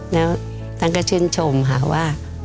แล้วท่านก็ชื่นชมค่ะว่า